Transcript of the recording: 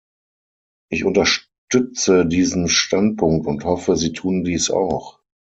Ich unterstütze diesen Standpunkt und hoffe, Sie tun dies auch.